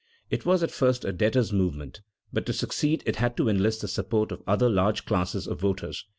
It was at first a debtors' movement, but to succeed it had to enlist the support of other large classes of voters.